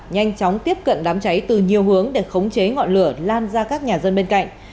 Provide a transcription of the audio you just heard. nhanh chóng tiếp cận đám cháy từ nhiều hướng để khống chế ngọn lửa lan ra các nhà dân bên cạnh